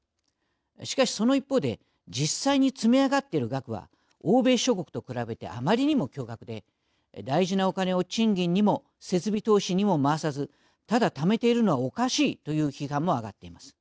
しかし、その一方で実際に積み上がっている額は欧米諸国と比べてあまりにも巨額で大事なおカネを賃金にも設備投資にも回さずただ、ためているのはおかしいという批判も上がっています。